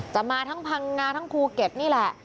มาทั้งพังงาทั้งภูเก็ตนี่แหละ